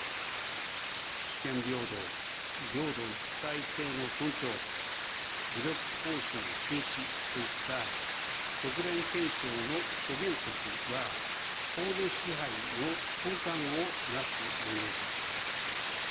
主権平等、領土一体性の尊重、武力行使の禁止といった国連憲章の諸原則は、法の支配の根幹をなすものです。